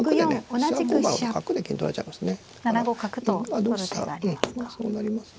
７五角と取る手がありますか。